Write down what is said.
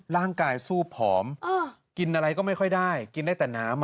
ร่างกายสู้ผอมกินอะไรก็ไม่ค่อยได้กินได้แต่น้ำ